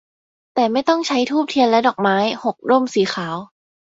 แต่ไม่ต้องใช้ธูปเทียนและดอกไม้ หก ร่มสีขาว